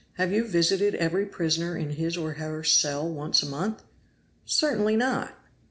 Have you visited every prisoner in his or her cell once a month?" "Certainly not!"